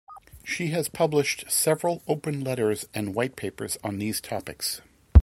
She has published several open letters and white papers on these topics.